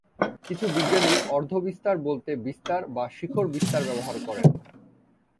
কিছু বিজ্ঞানী অর্ধ-বিস্তার বলতে "বিস্তার" বা "শিখর বিস্তার" ব্যবহার করেন।